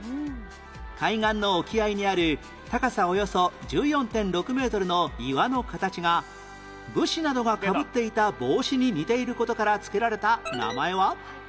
海岸の沖合にある高さおよそ １４．６ メートルの岩の形が武士などがかぶっていた帽子に似ている事から付けられた名前は？